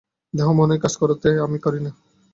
দেহ-মনই কাজ করে থাকে, আমি করি না।